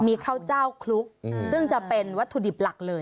มีข้าวเจ้าคลุกซึ่งจะเป็นวัตถุดิบหลักเลย